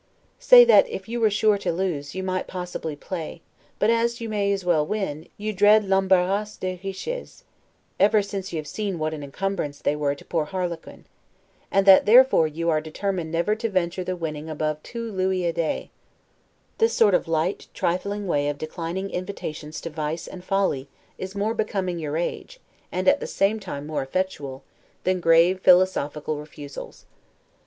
Say that, if you were sure to lose, you might possibly play, but that as you may as well win, you dread 'l'embarras des richesses', ever since you have seen what an encumbrance they were to poor Harlequin, and that, therefore, you are determined never to venture the winning above two louis a day; this sort of light trifling way of declining invitations to vice and folly, is more becoming your age, and at the same time more effectual, than grave philosophical refusals.